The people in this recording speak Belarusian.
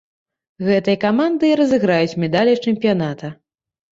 Гэтыя каманды і разыграюць медалі чэмпіяната.